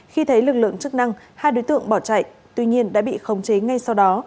khi thấy lực lượng chức năng hai đối tượng bỏ chạy tuy nhiên đã bị khống chế ngay sau đó